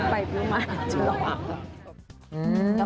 รู้ไปรู้มากจริงหรือเปล่า